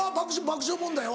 爆笑問題は？